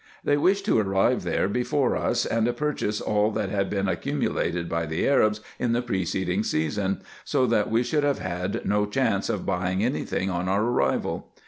They wished to arrive there before us, and purchase all that had been accumulated by the Arabs in the preceding season ; so that we should have had no chance of buying any thing on our arrival.